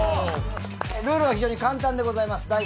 ルールは非常に簡単でございます。